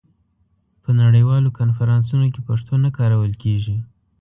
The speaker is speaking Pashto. په نړیوالو کنفرانسونو کې پښتو نه کارول کېږي.